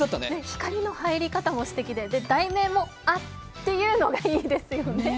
光の入り方も秀逸で題名も「あっ」っていうのがいいですよね。